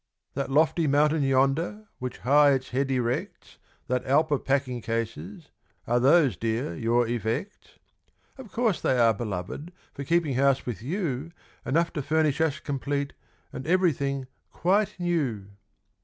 "That lofty mountain yonder, which high its head erects, That Alp of packing cases are those, dear, your effects?" "Of course they are, beloved, for keeping house with you, Enough to furnish us complete, and everything _quite new!